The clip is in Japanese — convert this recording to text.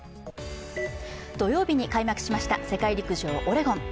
土曜日に開幕しました世界陸上オレゴン。